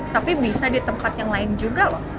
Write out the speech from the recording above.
tapi bisa di tempat yang lain juga